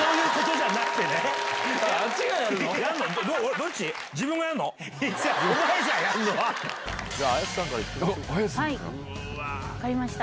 はい分かりました。